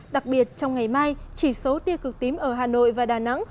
đặc biệt trong ngày mai chỉ số tia cực tím ở hà nội và đà nẵng